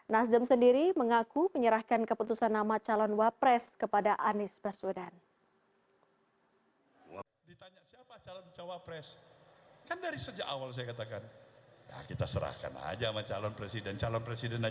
nasdem sendiri mengaku menyerahkan keputusan nama calon wapres kepada anies baswedan